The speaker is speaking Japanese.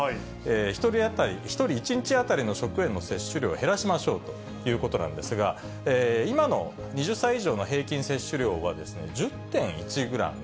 １人当たり、１人１日当たりの食塩の摂取量を減らしましょうということなんですが、今の２０歳以上の平均摂取量は１０．１グラム。